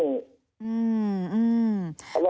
อืมอืม